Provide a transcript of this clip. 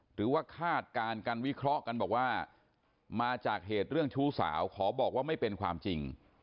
คาดการณ์กันวิเคราะห์กันบอกว่ามาจากเหตุเรื่องชู้สาวขอบอกว่าไม่เป็นความจริง